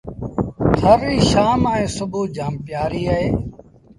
ٿر ريٚ شآم ائيٚݩ سُڀو جآم پيٚآريٚ اهي۔